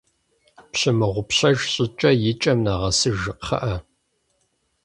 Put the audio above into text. Пщымыгъупщэж щӀыкӀэ, и кӀэм нэгъэсыж, кхъыӀэ.